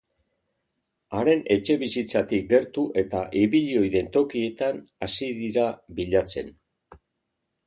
Haren etxebizitzatik gertu eta ibili ohi den tokietan hasi dira bilatzen.